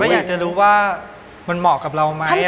อยากจะรู้ว่ามันเหมาะกับเราไหม